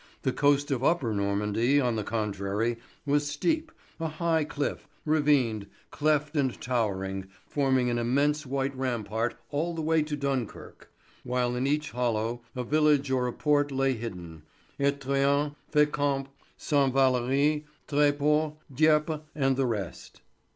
The coast of Upper Normandy, on the contrary, was steep, a high cliff, ravined, cleft and towering, forming an immense white rampart all the way to Dunkirk, while in each hollow a village or a port lay hidden: Étretat, Fécamp, Saint Valery, Tréport, Dieppe, and the rest.